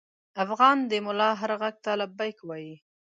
افغان د ملا هر غږ ته لبیک وايي.